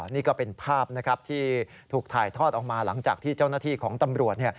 นี่ก็เป็นภาพนะครับที่ถูกถ่ายทอดออกมาหลังจากที่เจ้าหน้าที่ของตำรวจ